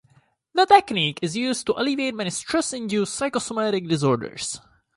The technique is used to alleviate many stress-induced psychosomatic disorders.